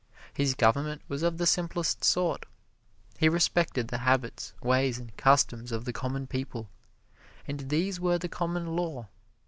His government was of the simplest sort. He respected the habits, ways and customs of the common people, and these were the Common Law.